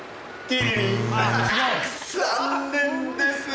残念です。